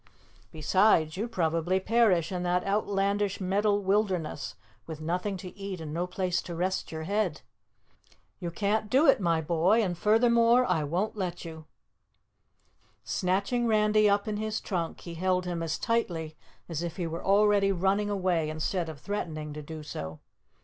Besides, you'd probably perish in that outlandish metal wilderness with nothing to eat and no place to rest your head. You can't do it, my boy, and furthermore, I won't let you." Snatching Randy up in his trunk, he held him as tightly as if he were already running away instead of threatening to do so.